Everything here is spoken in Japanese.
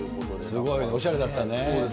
すごいね、おしゃれだったね。